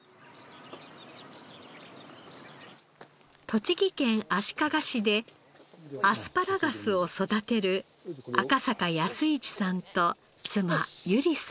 栃木県足利市でアスパラガスを育てる赤坂安一さんと妻由里さん。